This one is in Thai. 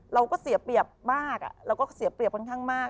เราก็เสียเปรียบมากเราก็เสียเปรียบค่อนข้างมาก